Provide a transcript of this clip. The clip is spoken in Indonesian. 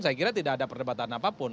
saya kira tidak ada perdebatan apapun